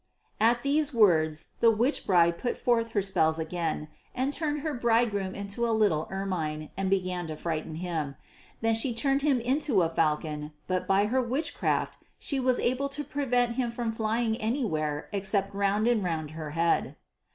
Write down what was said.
At these words the witch bride put forth her spells again and turned her bridegroom into a little ermine and began to frighten him. Then she turned him into a falcon, but by her witchcraft she was able to prevent him from flying anywhere except round and round her head.